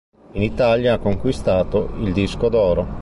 In Italia ha conquistato il disco d'oro.